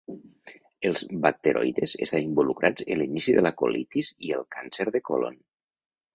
Els bacteroides estan involucrats en l'inici de la colitis i el càncer de còlon.